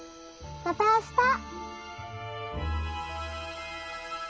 またあした。